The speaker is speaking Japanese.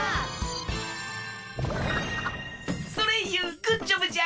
ソレイユグッジョブじゃ！